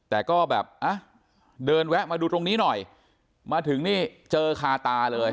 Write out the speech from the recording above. แต่ก็แบบอ่ะเดินแวะมาดูตรงนี้หน่อยมาถึงนี่เจอคาตาเลย